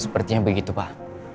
sepertinya begitu pak